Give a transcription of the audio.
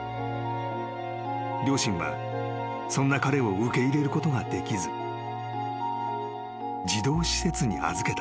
［両親はそんな彼を受け入れることができず児童施設に預けた］